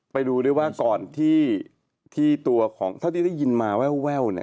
ไปดูด้วยว่าก่อนที่ตัวของเท่าที่ได้ยินมาแววเนี่ย